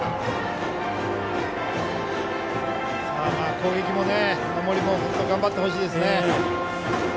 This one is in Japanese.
攻撃も守りも本当に頑張ってほしいですね。